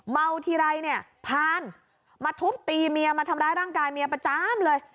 เมาทีไรเนี่ยพานมาทุบตีเมียมาทำร้ายร่างกายเมียประจำเลย